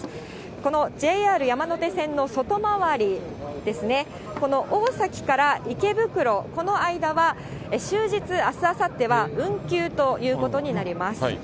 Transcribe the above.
このＪＲ山手線の外回りですね、この大崎から池袋、この間は、終日、あす、あさっては運休ということになります。